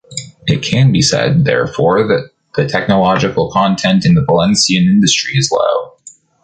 It can be said, therefore, that the technological content in the Valencian industry is low.